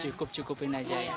cukup cukupin aja ya